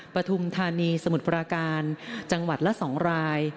ปฐุมธานีสมุทรปราการจังหวัดละ๒ราย